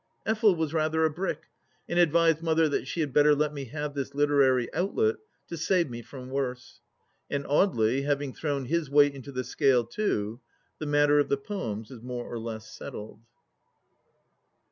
Effel was rather a brick, and advised Mother that she had better let me have this literary outlet, to save me from worse. And Audely having thrown his weight into the scale too, the matter of the poems is more or less settled.